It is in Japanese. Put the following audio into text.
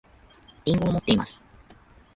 りんごを持っています